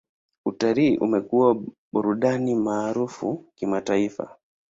Utalii umekuwa burudani maarufu kimataifa.